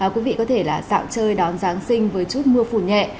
quý vị có thể là dạo chơi đón giáng sinh với chút mưa phùn nhẹ